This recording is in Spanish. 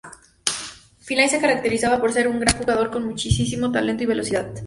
Finlay se caracterizaba por ser un... "gran jugador con muchísimo talento y velocidad.